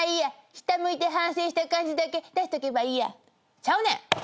「下向いて反省した感じだけ出しとけばいいや」ちゃうねん。